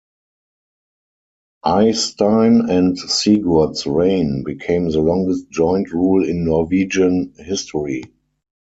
Eystein and Sigurd's reign became the longest joint rule in Norwegian history.